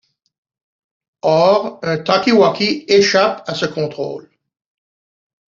Or, un talkie-walkie échappe à ce contrôle.